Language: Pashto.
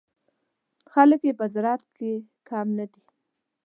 خلک یې په زراعت کې هم کم نه دي.